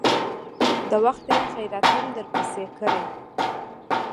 د وخته يې خيراتم درپسې کړى.